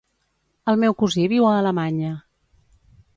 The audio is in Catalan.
El meu cosí viu a Alemanya.